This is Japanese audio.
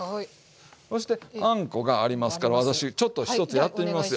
そしてあんこがありますから私ちょっと一つやってみますよ。